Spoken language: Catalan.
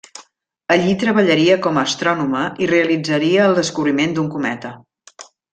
Allí treballaria com a astrònoma i realitzaria el descobriment d'un cometa.